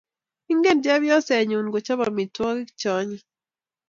Ingen chepyosenyu kochop amitwogik che anyiny